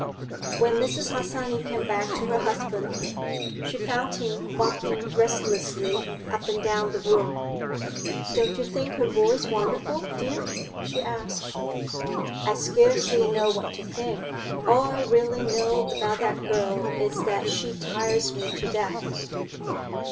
When Mrs. Harsanyi came back to her husband, she found him walking restlessly up and down the room. "Don't you think her voice wonderful, dear?" she asked. "I scarcely know what to think. All I really know about that girl is that she tires me to death.